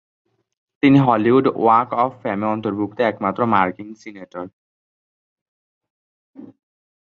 তিনি Hollywood walk of ফেমে অন্তর্ভুক্ত একমাত্র মার্কিন সিনেটর।